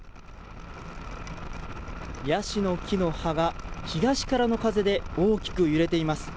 ヤシの木の葉が東からの風で大きく揺れています。